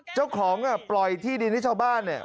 เจ้าของปล่อยที่ดินให้ชาวบ้านเนี่ย